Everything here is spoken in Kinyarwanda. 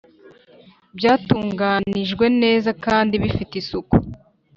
byatunganijwe neza kandi bifite isuku.